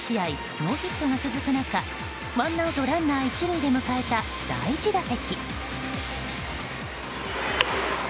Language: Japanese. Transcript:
ノーヒットが続く中ワンアウトランナー、１塁で迎えた、第１打席。